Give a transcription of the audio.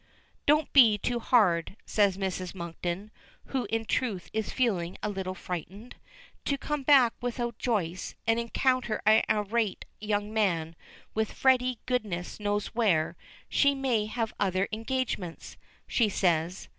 "Don't be too hard," says Mrs. Monkton, who in truth is feeling a little frightened. To come back without Joyce, and encounter an irate young man, with Freddy goodness knows where "She may have other engagements," she says.